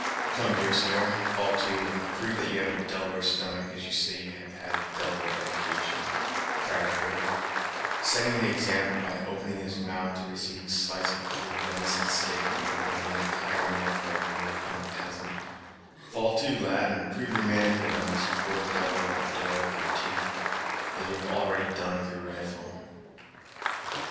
"Come, Deerslayer, fall to, and prove that you have a Delaware stomach, as you say you have had a Delaware edication," cried Hurry, setting the example by opening his mouth to receive a slice of cold venison steak that would have made an entire meal for a European peasant; "fall to, lad, and prove your manhood on this poor devil of a doe with your teeth, as you've already done with your rifle."